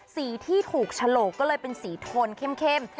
สีที่ถูกฉลกก็เลยเป็นสีโทนเข้ม